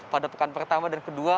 pada pekan pertama dan kedua